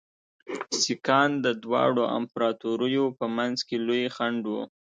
سیکهان د دواړو امپراطوریو په منځ کې لوی خنډ وو.